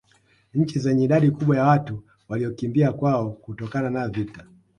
Nchi zenye idadi kubwa ya watu waliokimbia kwao kutokana na vita